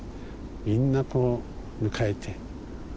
みんなこう迎えて。